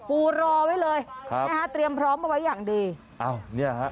ปูรอไว้เลยเตรียมพร้อมเอาไว้อย่างดี